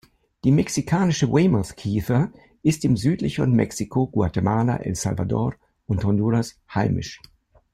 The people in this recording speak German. Die Mexikanische Weymouth-Kiefer ist im südlicheren Mexiko, Guatemala, El Salvador und Honduras heimisch.